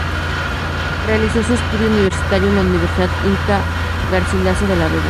Realizó sus estudio universitario en la Universidad Inca Garcilaso de la Vega.